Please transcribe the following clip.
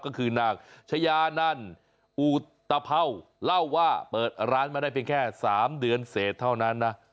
ก็คือนางชายานันอุตเภาเล่าว่าเปิดร้านมาได้เพียงแค่๓เดือนเสร็จเท่านั้นนะ